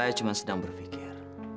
saya cuma sedang berpikir